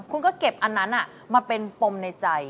คุณก็เก็บอันนั้นมาเป็นปมในใจ